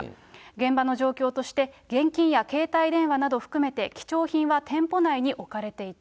現場の状況として、現金や携帯電話など含めて、貴重品は店舗内に置かれていた。